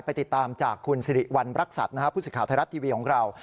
ติดตามจากคุณสิริวัณรักษัตริย์ผู้สื่อข่าวไทยรัฐทีวีของเรา